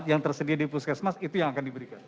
yang tersedia di puskesmas itu yang akan diberikan